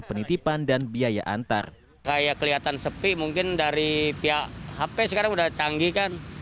penitipan dan biaya antar kayak kelihatan sepi mungkin dari pihak hp sekarang udah canggih kan